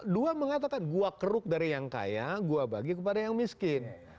dua mengatakan gua keruk dari yang kaya gua bagi kepada yang miskin